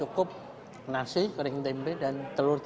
ak entire ada nasi kering timpi dan telur